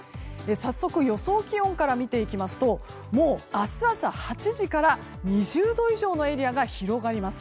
早速予想気温から見ていきますともう明日朝８時から２０度以上のエリアが広がります。